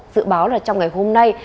dự báo là trong ngày hôm nay